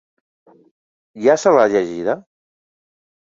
Ja se l'ha llegida?